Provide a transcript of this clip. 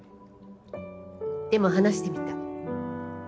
でも話してみた？